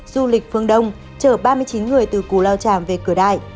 du lịch phương đông chở ba mươi chín người từ cù lao tràm về cửa đại